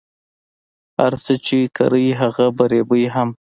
هر څه چی کری هغه به ریبی هم